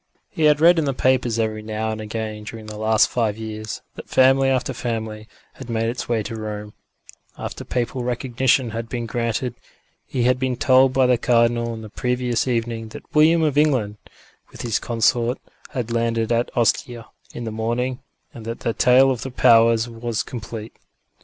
He had read in the papers every now and again during the last five years that family after family had made its way to Rome, after papal recognition had been granted; he had been told by the Cardinal on the previous evening that William of England, with his Consort, had landed at Ostia in the morning and that the tale of the Powers was complete.